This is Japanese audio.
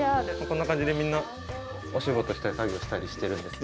こんな感じでみんなお仕事したり作業したりしてるんです。